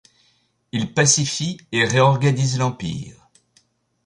Il pacifie et réorganise l’Empire.